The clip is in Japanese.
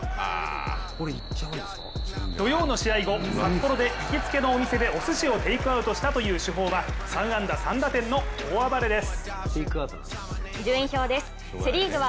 土曜の試合後、札幌で行きつけのお店でおすしをテイクアウトしたという主砲は３安打３打点の大暴れです。